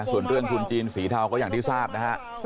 ส่วนเรื่องทุนจีนสีเทาก็อย่างที่ทราบนะฮะ